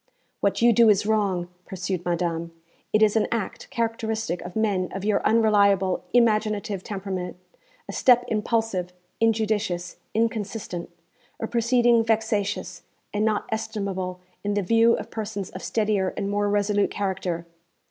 'What you do is wrong,' pursued madame; 'it is an act characteristic of men of your unreliable, imaginative temperament a step impulsive, injudicious, inconsistent a proceeding vexatious, and not estimable in the view of persons of steadier and more resolute character.'